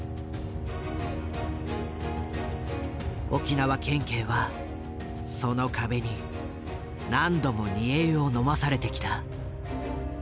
沖縄県警はその壁に何度も煮え湯を飲まされてきた。